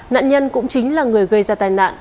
nạn nhân cũng chính là người gây ra tai nạn